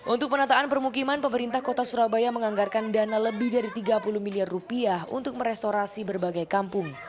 untuk penataan permukiman pemerintah kota surabaya menganggarkan dana lebih dari tiga puluh miliar rupiah untuk merestorasi berbagai kampung